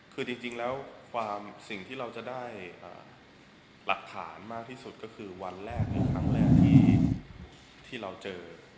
คือจริงแล้วความสิ่งที่เราจะได้หลักฐานมากที่สุดก็คือวันแรกเป็นครั้งแรกที่เราเจอ